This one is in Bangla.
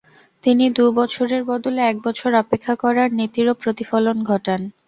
তিনি দু'বছরের বদলে একবছর অপেক্ষা করার নীতিরও প্রতিফলন ঘটান।